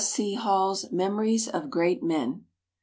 C. Hall's Memories of Great Men.